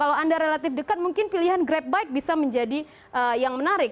kalau anda relatif dekat mungkin pilihan grab bike bisa menjadi yang menarik